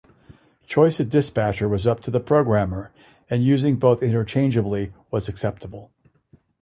Choice of dispatcher was up to the programmer, and using both interchangeably was acceptable.